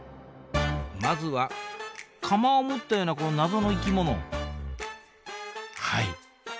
まずは鎌を持ったようなこの謎の生き物はい。